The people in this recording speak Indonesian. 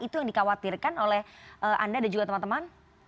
itu yang dikhawatirkan oleh anda dan juga teman teman